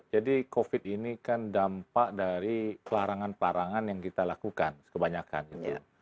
jadi covid ini kan dampak dari pelarangan pelarangan yang kita lakukan kebanyakan gitu